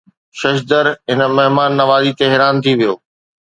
ششدر هن مهمان نوازي تي حيران ٿي ويو